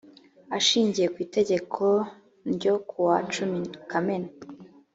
ashingiye ku itegeko n ryo kuwa cumi kamena